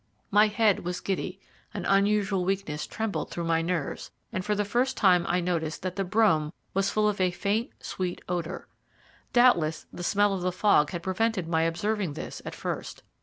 My head was giddy, an unusual weakness trembled through my nerves, and for the first time I noticed that the brougham was full of a faint, sweet odour. Doubtless the smell of the fog had prevented my observing this at first.